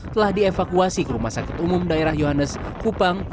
telah dievakuasi ke rumah sakit umum daerah yohanes kupang